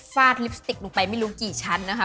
ฟาดลิปสติกลงไปไม่รู้กี่ชั้นนะคะ